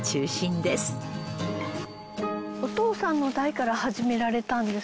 お父さんの代から始められたんですか？